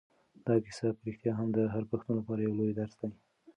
دا کیسه په رښتیا هم د هر پښتون لپاره یو لوی درس دی.